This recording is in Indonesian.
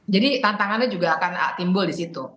jadi tantangannya juga akan timbul di situ